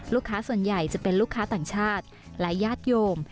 ส่วนใหญ่จะเป็นลูกค้าต่างชาติและญาติโยม